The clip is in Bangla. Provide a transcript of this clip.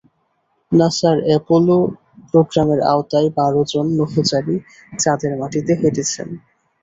নাসার অ্যাপোলো প্রোগ্রামের আওতায় বারোজন নভোচারী চাঁদের মাটিতে হেঁটেছেন।